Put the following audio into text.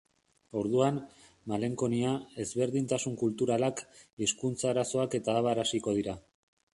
Orduan, malenkonia, ezberdintasun kulturalak, hizkuntza arazoak eta abar hasiko dira.